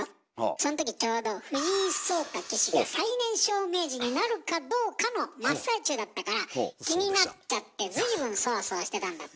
そんときちょうど藤井聡太棋士が最年少名人になるかどうかの真っ最中だったから気になっちゃって随分そわそわしてたんだって？